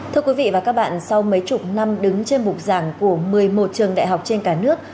thưa quý vị và các bạn sau mấy chục năm đứng trên bục giảng của một mươi một trường đại học trên cả nước